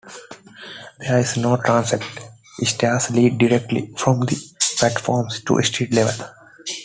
There is no transept; stairs lead directly from the platforms to street level.